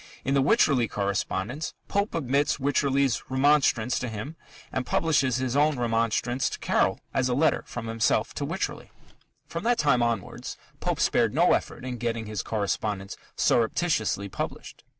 In the Wycherley correspondence, Pope omits Wycherley's remonstrance to him and publishes his own remonstrance to Caryll as a letter from himself to Wycherley. From that time onwards Pope spared no effort in getting his correspondence "surreptitiously" published.